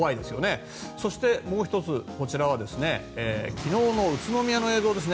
そしてもう１つ、こちらは昨日の宇都宮の映像です。